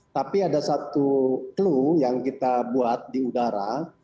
tapi ada satu clue yang kita buat di udara